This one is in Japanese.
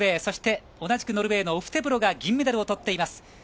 そして、同じくノルウェーのオフテブロが銀メダルをとっています。